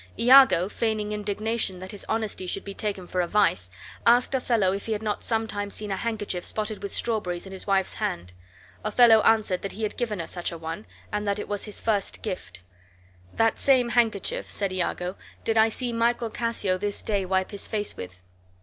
Iago, feigning indignation that his honesty should be taken for a vice, asked Othello if he had not sometimes seen a handkerchief spotted with strawberries in his wife's hand. Othello answered that he had given her such a one, and that it was his first gift. "That same handkerchief," said Iago, "did I see Michael Cassio this day wipe his face with."